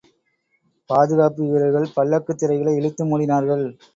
பாதுகாப்பு வீரர்கள் பல்லக்குத் திரைகளை இழுத்து மூடினார்கள்.